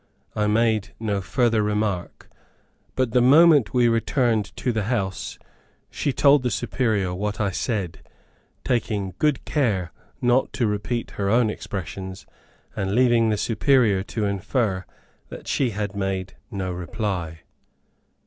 I made no further remark; but the moment we returned to the house she told the Superior what I said, taking good care not to repeat her own expressions, and leaving the Superior to infer that she had made no reply.